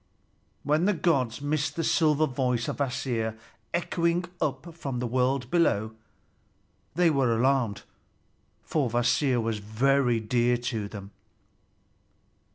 When the gods missed the silver voice of Kvasir echoing up from the world below, they were alarmed, for Kvasir was very dear to them.